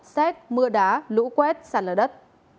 tết mưa đá lũ quét sàn lở đất